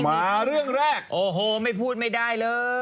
มาเรื่องแรกโอ้โหไม่พูดไม่ได้เลย